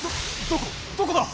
どこだ？